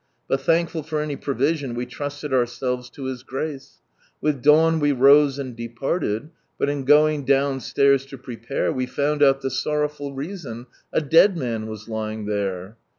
But thankful for any provision we trusted ourselves to His Grace. With dawn we rose and departed, but in going downstairs ID prepare. We founil out the sorrowful reason, a dead man vas lying iMtrt.